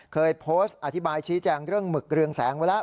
เคยโพสต์อธิบายชี้แจงเรื่องหมึกเรืองแสงไว้แล้ว